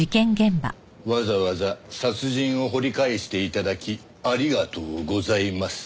わざわざ殺人を掘り返して頂きありがとうございます。